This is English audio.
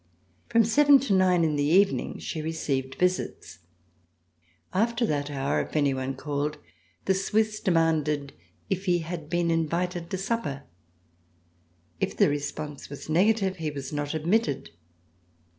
From seven to nine in the evening she received visits. After that hour, if any one called, the Swiss demanded if he had been in vited to supper. If the response was negative, he was not admitted.